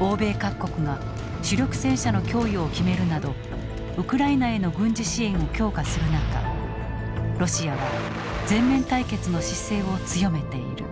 欧米各国が主力戦車の供与を決めるなどウクライナへの軍事支援を強化する中ロシアは全面対決の姿勢を強めている。